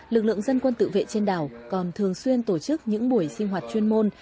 lực lượng dân quân tự vệ trên đảo còn thường xuyên tổ chức những buổi sinh hoạt chuyên môn